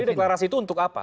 jadi deklarasi itu untuk apa